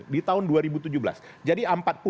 di tahun dua ribu tujuh belas jadi